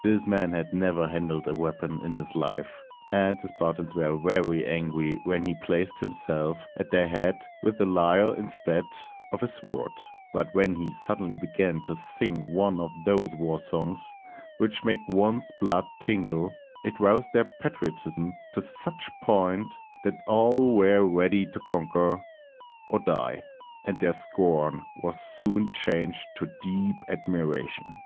This man had never handled a weapon in his life, and the Spartans were very angry when he placed himself at their head with a lyre instead of a sword; but when he suddenly began to sing one of those war songs which make one's blood tingle, it roused their patriotism to such a point that all were ready to conquer or die, and their scorn was soon changed to deep admiration.